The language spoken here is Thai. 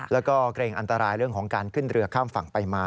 แล้วก็เกรงอันตรายเรื่องของการขึ้นเรือข้ามฝั่งไปมา